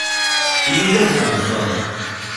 ilo nanpa li sona!